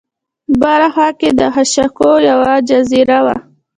بره خوا کې د خاشاکو یوه جزیره وه.